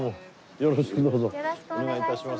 よろしくどうぞお願い致します。